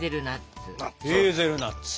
ヘーゼルナッツ。